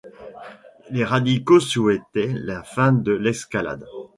Les radicaux souhaitaient la fin de l'escalade.